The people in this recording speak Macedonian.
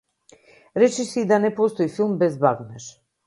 Речиси и да не постои филм без бакнеж.